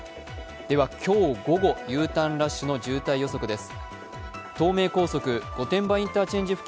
今日午後、Ｕターンラッシュの渋滞予測です。